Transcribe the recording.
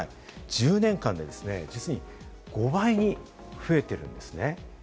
１０年間で実に５倍に増えているんですね。